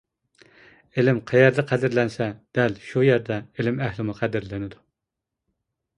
ئىلىم قەيەردە قەدىرلەنسە، دەل شۇ يەردە ئىلىم ئەھلىمۇ قەدىرلىنىدۇ.